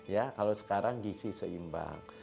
ya kalau sekarang gizi seimbang